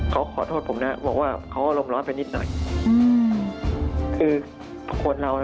เขาขอโทษผมนะบอกว่าเขาอารมณ์ร้อนไปนิดหน่อยอืมคือคนเราน่ะ